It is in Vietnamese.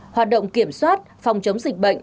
hoạt động kiểm soát phòng chống dịch bệnh